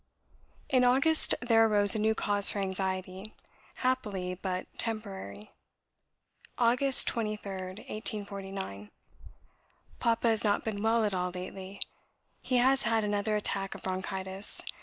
In August there arose a new cause for anxiety, happily but temporary. "Aug. 23rd, 1849. "Papa has not been well at all lately. He has had another attack of bronchitis.